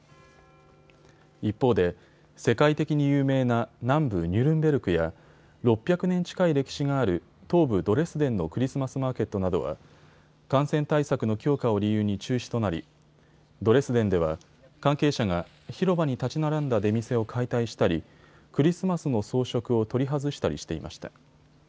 一方で世界的に有名な南部ニュルンベルクや６００年近い歴史がある東部ドレスデンのクリスマスマーケットなどが感染対策の強化を理由に中止となりドレスデンでは関係者が広場に立ち並んだ出店を解体したりクリスマスの装飾を取り外したりしていました。